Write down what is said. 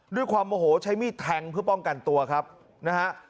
ด้วยความโมโหใช้มีดแทงเพื่อป้องกันตัวครับนะฮะ